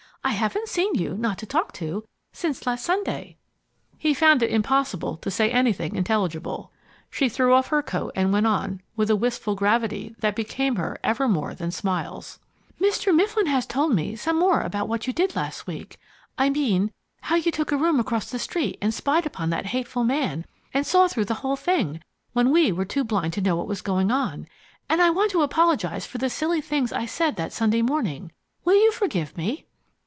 I haven't seen you, not to talk to, since last Sunday." He found it impossible to say anything intelligible. She threw off her coat, and went on, with a wistful gravity that became her even more than smiles: "Mr. Mifflin has told me some more about what you did last week I mean, how you took a room across the street and spied upon that hateful man and saw through the whole thing when we were too blind to know what was going on. And I want to apologize for the silly things I said that Sunday morning. Will you forgive me?"